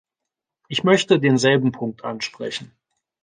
Ich möchte denselben Punkt ansprechen.